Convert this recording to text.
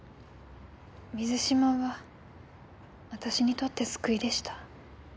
水嶋は私にとって救いでした。